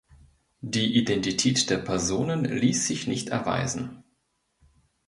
Die Identität der Personen ließ sich nicht erweisen.